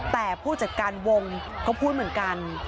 แต่ผู้จัดการวงก็พูดเหมือนกัน